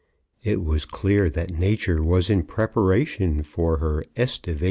It was clear that nature was in preparation for her estivation.